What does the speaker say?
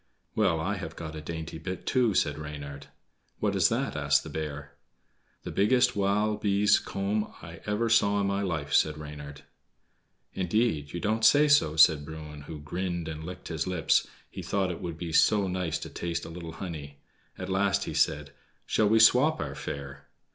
"Well, I have got a dainty bit too," said Reynard. "What is that?" asked the bear. "The biggest wild bee's comb I ever saw in my life," said Reynard. "Indeed, you don't say so," said Bruin, who grinned and licked his lips, he thought it would be so nice to taste a little honey. At last he said: "Shall we swap our fare?"